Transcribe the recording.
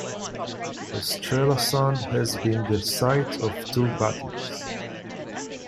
The Strelasund has been the site of two battles.